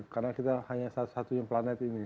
karena kita hanya satu satunya planet ini